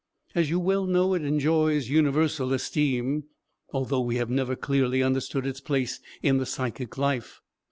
As you well know, it enjoys universal esteem, although we have never clearly understood its place in the psychic life.